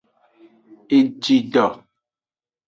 Egido.